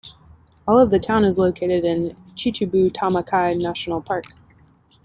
All of the town is located in Chichibu-Tama-Kai National Park.